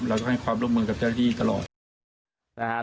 แล้วก็ให้ความร่วมมือกับรับจริงตลอด